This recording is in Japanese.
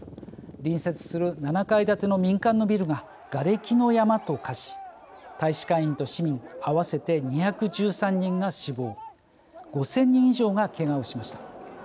隣接する７階建ての民間のビルががれきの山と化し大使館員と市民合わせて２１３人が死亡５０００人以上がけがをしました。